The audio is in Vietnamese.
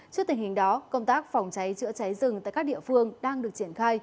trước tình hình đó công tác phòng cháy chữa cháy rừng tại các địa phương đang được triển khai